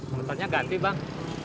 motornya ganti bang